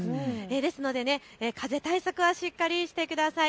ですので風対策はしっかりしてください。